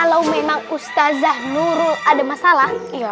kalau memang ustazah nurul ada masalah